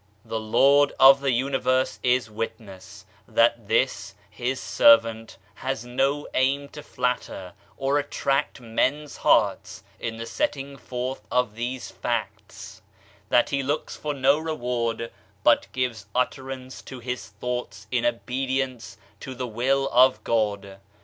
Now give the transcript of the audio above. The Lord of the universe is witness that this, his servant, has no aim to flatter, or attract men's hearts in the setting forth of these facts; that he looks for no reward, but gives utterance to his thoughts in obedience to the will of God.